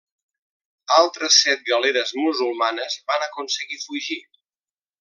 Altres set galeres musulmanes van aconseguir fugir.